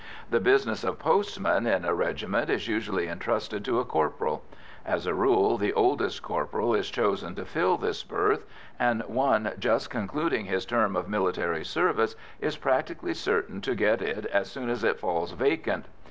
The business of postman in a regiment is usually entrusted to a corporal; as a rule, the oldest corporal is chosen to fill this berth, and one just concluding his term of military service is practically certain to get it as soon as it falls vacant.